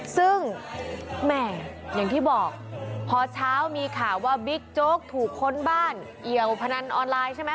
ซึ่งแหม่อย่างที่บอกพอเช้ามีข่าวว่าบิ๊กโจ๊กถูกค้นบ้านเอี่ยวพนันออนไลน์ใช่ไหม